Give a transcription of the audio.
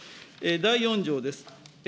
第４条です。